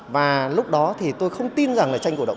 và lúc đó thì tôi không tin rằng là tranh cổ động